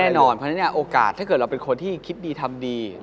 แน่นอนเพราะฉะนั้นเนี่ยโอกาสถ้าเกิดเราเป็นคนที่คิดดีทำดี